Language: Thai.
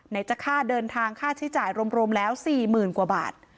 จะค่าเดินทางค่าใช้จ่ายรวมแล้ว๔๐๐๐กว่าบาท